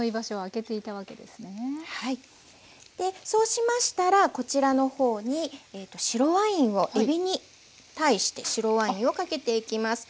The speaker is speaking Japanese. そうしましたらこちらの方に白ワインをえびに対して白ワインをかけていきます。